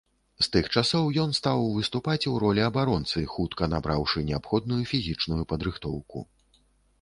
З тых часоў ён стаў выступаць у ролі абаронцы, хутка набраўшы неабходную фізічную падрыхтоўку.